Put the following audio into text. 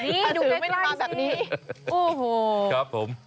ไม่ใช่กระสือไม่ได้ฟังแบบนี้